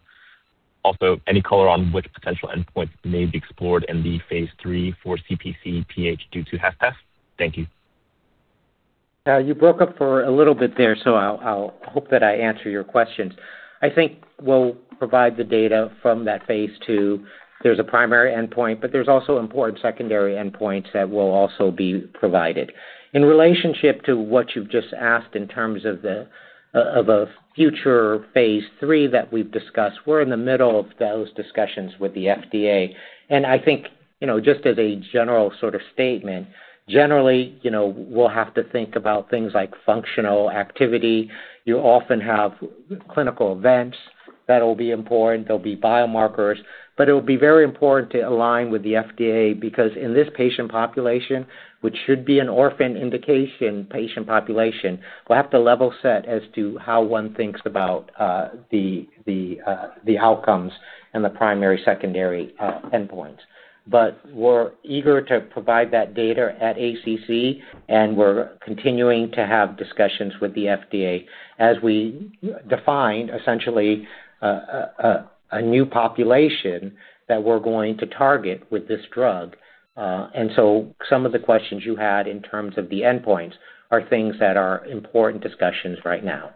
Also, any color on which potential endpoints may be explored in the phase III for Cpc-PH due to HFpEF? Thank you. You broke up for a little bit there, so I'll hope that I answer your questions. I think we'll provide the data from that phase II. There's a primary endpoint, but there's also important secondary endpoints that will also be provided. In relationship to what you've just asked in terms of the of a future phase III that we've discussed, we're in the middle of those discussions with the FDA. And I think, you know, just as a general sort of statement, generally, you know, we'll have to think about things like functional activity. You often have clinical events that will be important. There'll be biomarkers, but it will be very important to align with the FDA, because in this patient population, which should be an orphan indication patient population, we'll have to level set as to how one thinks about the outcomes and the primary, secondary endpoints. But we're eager to provide that data at ACC, and we're continuing to have discussions with the FDA as we define essentially a new population that we're going to target with this drug. And so some of the questions you had in terms of the endpoints are things that are important discussions right now.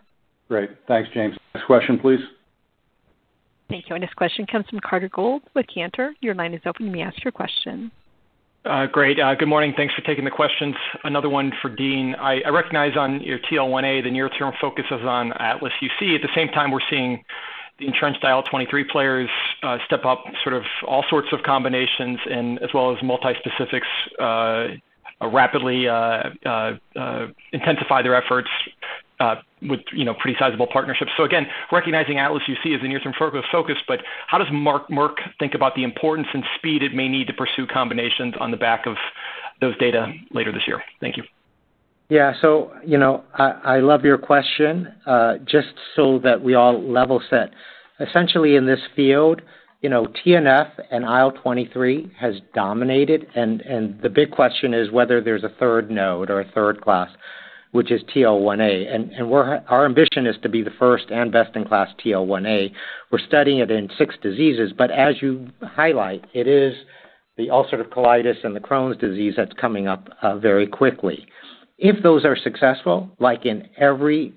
Great. Thanks, James. Next question, please. Thank you. Our next question comes from Carter Gould with Cantor. Your line is open. You may ask your question. Great. Good morning. Thanks for taking the questions. Another one for Dean. I recognize on your TL1A, the near-term focus is on Artemis UC. At the same time, we're seeing-... the entrenched IL-23 players, step up sort of all sorts of combinations and as well as multi-specifics, rapidly, intensify their efforts, with, you know, pretty sizable partnerships. So again, recognizing Artemis UC as the near-term focus, but how does Merck think about the importance and speed it may need to pursue combinations on the back of those data later this year? Thank you. Yeah. So, you know, I, I love your question. Just so that we all level set, essentially in this field, you know, TNF and IL-23 has dominated, and, and the big question is whether there's a third node or a third class, which is TL1A, and, and we're our ambition is to be the first and best-in-class TL1A. We're studying it in six diseases, but as you highlight, it is the ulcerative colitis and the Crohn's disease that's coming up very quickly. If those are successful, like in every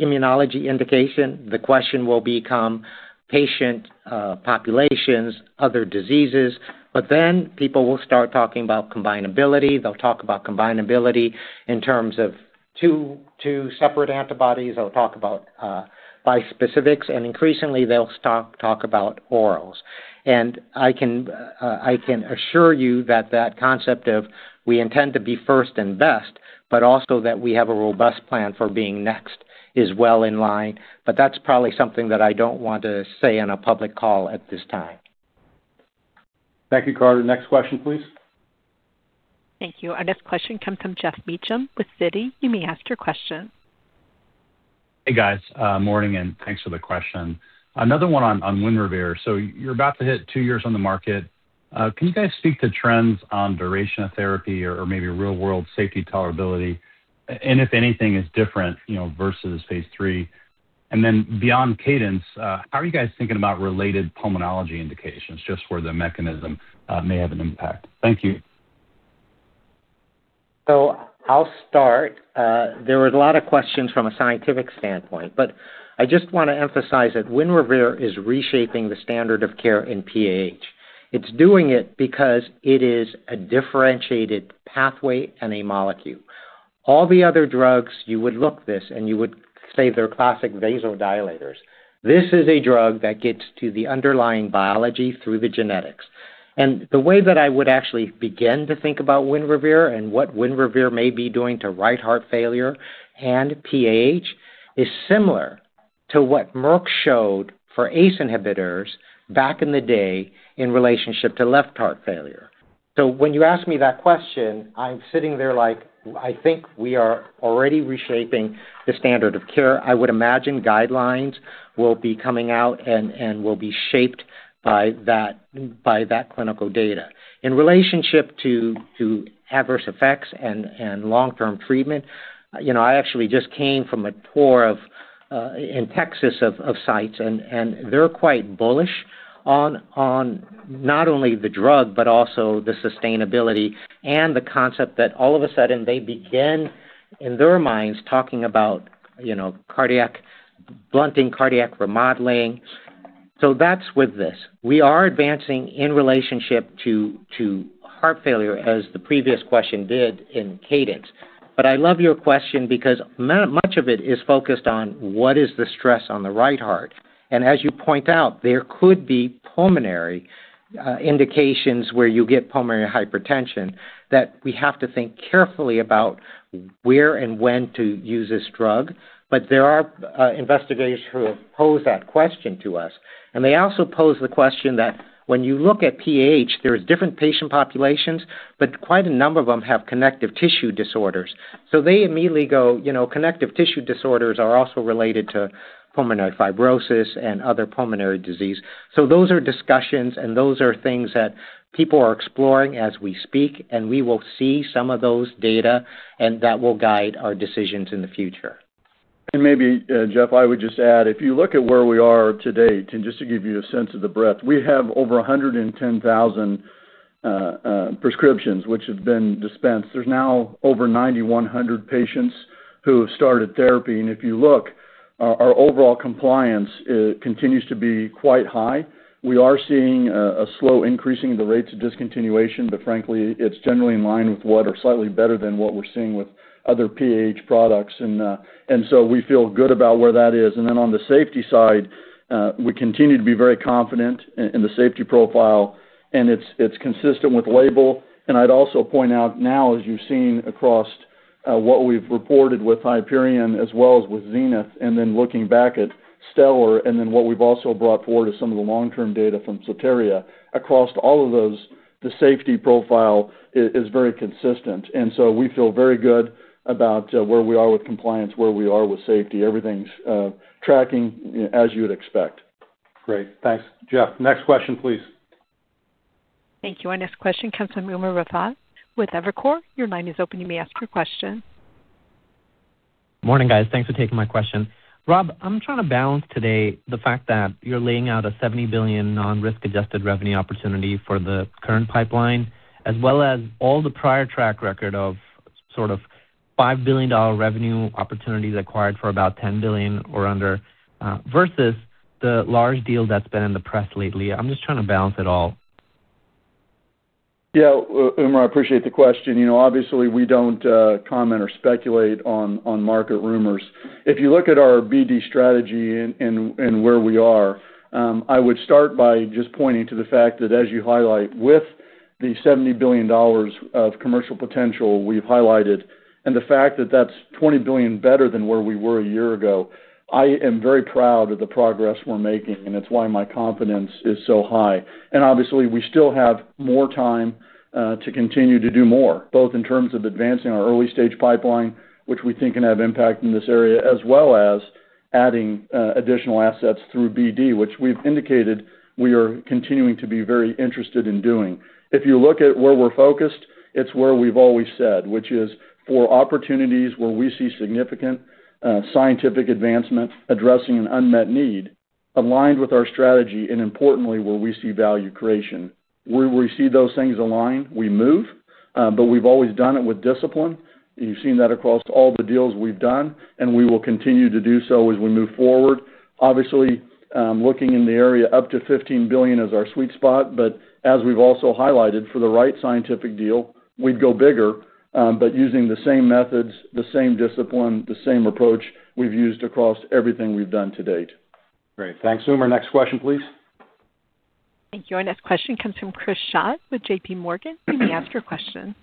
immunology indication, the question will become patient populations, other diseases, but then people will start talking about combinability. They'll talk about combinability in terms of two separate antibodies. They'll talk about bispecifics, and increasingly, they'll talk about orals. I can, I can assure you that that concept of we intend to be first and best, but also that we have a robust plan for being next, is well in line. That's probably something that I don't want to say on a public call at this time. Thank you, Carter. Next question, please. Thank you. Our next question comes from Jeff Meacham with Citi. You may ask your question. Hey, guys, morning, and thanks for the question. Another one on Winrevair. So you're about to hit two years on the market. Can you guys speak to trends on duration of therapy or maybe real-world safety tolerability, and if anything is different, you know, versus phase III? And then beyond cadence, how are you guys thinking about related pulmonology indications, just where the mechanism may have an impact? Thank you. So I'll start. There were a lot of questions from a scientific standpoint, but I just wanna emphasize that Winrevair is reshaping the standard of care in PAH. It's doing it because it is a differentiated pathway and a molecule. All the other drugs, you would look this, and you would say they're classic vasodilators. This is a drug that gets to the underlying biology through the genetics. And the way that I would actually begin to think about Winrevair and what Winrevair may be doing to right heart failure and PAH, is similar to what Merck showed for ACE inhibitors back in the day in relationship to left heart failure. So when you ask me that question, I'm sitting there like, I think we are already reshaping the standard of care. I would imagine guidelines will be coming out and will be shaped by that clinical data. In relationship to adverse effects and long-term treatment, you know, I actually just came from a tour of sites in Texas, and they're quite bullish on not only the drug, but also the sustainability and the concept that all of a sudden, they begin, in their minds, talking about, you know, cardiac blunting cardiac remodeling. So that's with this. We are advancing in relationship to heart failure, as the previous question did in cadence. But I love your question because much of it is focused on what is the stress on the right heart. As you point out, there could be pulmonary indications where you get pulmonary hypertension, that we have to think carefully about where and when to use this drug. But there are investigators who have posed that question to us, and they also pose the question that when you look at PAH, there is different patient populations, but quite a number of them have connective tissue disorders. So they immediately go, you know, connective tissue disorders are also related to pulmonary fibrosis and other pulmonary disease. So those are discussions, and those are things that people are exploring as we speak, and we will see some of those data, and that will guide our decisions in the future. And maybe, Jeff, I would just add, if you look at where we are today, and just to give you a sense of the breadth, we have over 110,000 prescriptions which have been dispensed. There's now over 9,100 patients who have started therapy, and if you look, our overall compliance continues to be quite high. We are seeing a slow increase in the rates of discontinuation, but frankly, it's generally in line with what are slightly better than what we're seeing with other PAH products. And, and so we feel good about where that is. And then on the safety side, we continue to be very confident in the safety profile, and it's consistent with label. I'd also point out now, as you've seen across what we've reported with Hyperion as well as with Zenith, and then looking back at Stellar, and then what we've also brought forward is some of the long-term data from Soteria. Across all of those, the safety profile is very consistent, and so we feel very good about where we are with compliance, where we are with safety. Everything's tracking as you would expect. Great. Thanks. Jeff, next question, please. Thank you. Our next question comes from Umer Raffat with Evercore ISI. Your line is open. You may ask your question. Morning, guys. Thanks for taking my question. Rob, I'm trying to balance today the fact that you're laying out a $70 billion non-risk adjusted revenue opportunity for the current pipeline, as well as all the prior track record of sort of $5 billion revenue opportunities acquired for about $10 billion or under, versus the large deal that's been in the press lately. I'm just trying to balance it all. ... Yeah, Umer, I appreciate the question. You know, obviously, we don't comment or speculate on market rumors. If you look at our BD strategy and where we are, I would start by just pointing to the fact that, as you highlight, with the $70 billion of commercial potential we've highlighted, and the fact that that's $20 billion better than where we were a year ago, I am very proud of the progress we're making, and it's why my confidence is so high. And obviously, we still have more time to continue to do more, both in terms of advancing our early-stage pipeline, which we think can have impact in this area, as well as adding additional assets through BD, which we've indicated we are continuing to be very interested in doing. If you look at where we're focused, it's where we've always said, which is for opportunities where we see significant scientific advancement, addressing an unmet need, aligned with our strategy, and importantly, where we see value creation. Where we see those things align, we move, but we've always done it with discipline. You've seen that across all the deals we've done, and we will continue to do so as we move forward. Obviously, looking in the area up to $15 billion is our sweet spot, but as we've also highlighted, for the right scientific deal, we'd go bigger, but using the same methods, the same discipline, the same approach we've used across everything we've done to date. Great. Thanks, Umer. Next question, please. Thank you. Our next question comes from Chris Schott with J.P. Morgan. You may ask your question.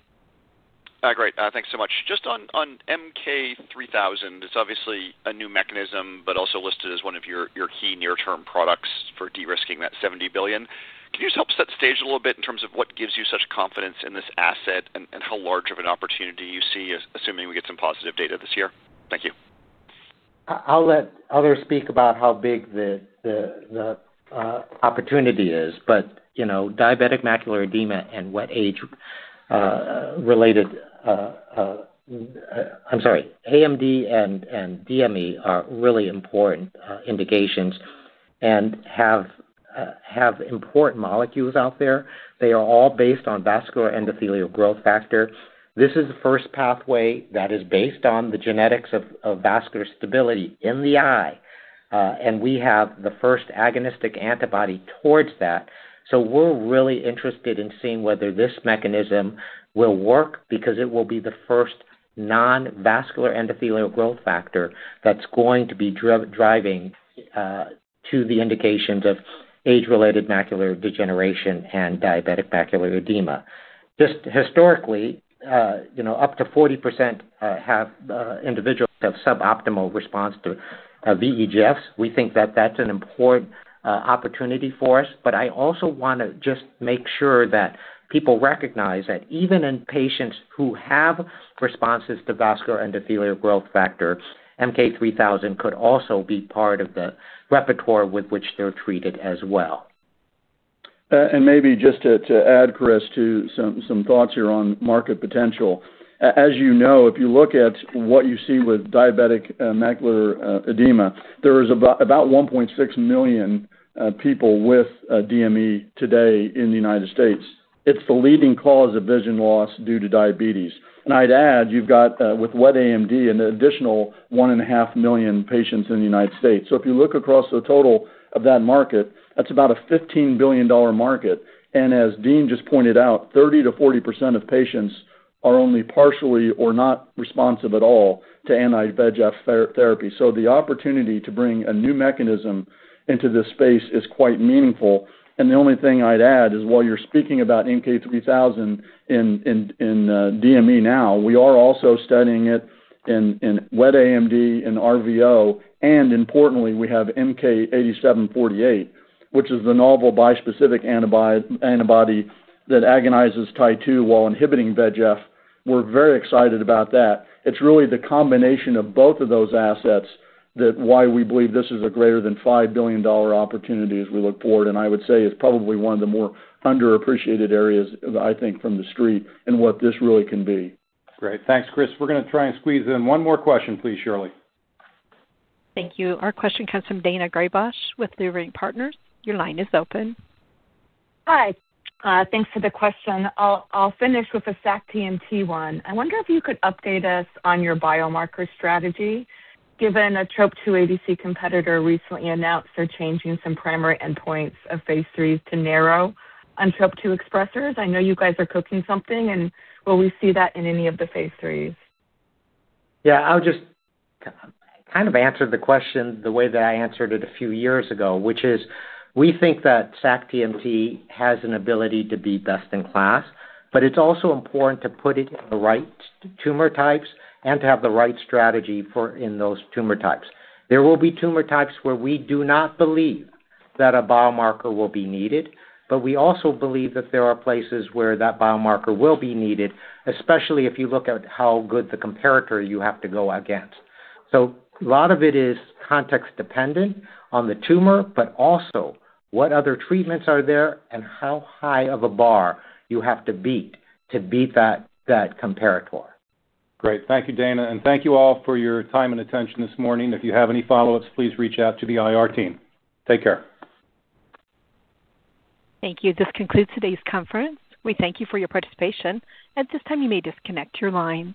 Great, thanks so much. Just on MK-3000, it's obviously a new mechanism, but also listed as one of your key near-term products for de-risking that $70 billion. Can you just help set the stage a little bit in terms of what gives you such confidence in this asset and how large of an opportunity you see, assuming we get some positive data this year? Thank you. I'll let others speak about how big the opportunity is, but you know, diabetic macular edema and wet age-related... I'm sorry, AMD and DME are really important indications and have important molecules out there. They are all based on vascular endothelial growth factor. This is the first pathway that is based on the genetics of vascular stability in the eye, and we have the first agonistic antibody towards that. So we're really interested in seeing whether this mechanism will work because it will be the first non-vascular endothelial growth factor that's going to be driving to the indications of age-related macular degeneration and diabetic macular edema. Just historically, you know, up to 40% individuals have suboptimal response to VEGFs. We think that that's an important opportunity for us. But I also wanna just make sure that people recognize that even in patients who have responses to vascular endothelial growth factor, MK-3000 could also be part of the repertoire with which they're treated as well. Maybe just to add, Chris, to some thoughts here on market potential. As you know, if you look at what you see with diabetic macular edema, there is about 1.6 million people with DME today in the United States. It's the leading cause of vision loss due to diabetes. I'd add, you've got with wet AMD, an additional 1.5 million patients in the United States. So if you look across the total of that market, that's about a $15 billion market. As Dean just pointed out, 30%-40% of patients are only partially or not responsive at all to anti-VEGF therapy. So the opportunity to bring a new mechanism into this space is quite meaningful. The only thing I'd add is, while you're speaking about MK-3000 in DME now, we are also studying it in wet AMD and RVO, and importantly, we have MK-8748, which is the novel bispecific antibody that agonizes Tie-2 while inhibiting VEGF. We're very excited about that. It's really the combination of both of those assets that why we believe this is a greater than $5 billion opportunity as we look forward, and I would say it's probably one of the more underappreciated areas, I think, from the Street, and what this really can be. Great. Thanks, Chris. We're gonna try and squeeze in one more question, please, Shirley. Thank you. Our question comes from Daina Graybosch with Leerink Partners. Your line is open. Hi, thanks for the question. I'll finish with the sac-TMT one. I wonder if you could update us on your biomarker strategy, given a Trop-2 ADC competitor recently announced they're changing some primary endpoints of phase III to narrow on Trop-2 expressers. I know you guys are cooking something, and will we see that in any of the phase III? Yeah, I'll just kind of answer the question the way that I answered it a few years ago, which is, we think that sac-TMT has an ability to be best in class, but it's also important to put it in the right tumor types and to have the right strategy for in those tumor types. There will be tumor types where we do not believe that a biomarker will be needed, but we also believe that there are places where that biomarker will be needed, especially if you look at how good the comparator you have to go against. So a lot of it is context dependent on the tumor, but also what other treatments are there and how high of a bar you have to beat to beat that, that comparator. Great. Thank you, Daina, and thank you all for your time and attention this morning. If you have any follow-ups, please reach out to the IR team. Take care. Thank you. This concludes today's conference. We thank you for your participation. At this time, you may disconnect your lines.